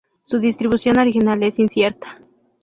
Su distribución original es incierta.